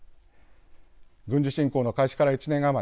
軍事侵攻の開始から１年余り。